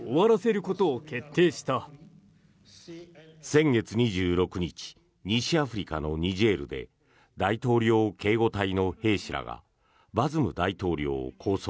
先月２６日西アフリカのニジェールで大統領警護隊の兵士がバズム大統領を拘束。